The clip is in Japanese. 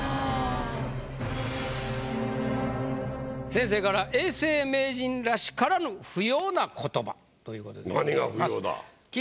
先生から「永世名人らしからぬ不要な言葉！」ということでございます。